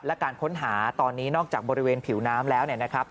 และการค้นหาตอนนี้นอกจากบริเวณผิวน้ำแล้วเนี่ยนะครับ